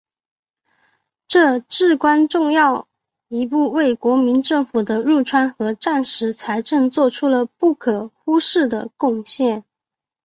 这至关重要一步为国民政府的入川和战时财政作出了不可忽视的贡献。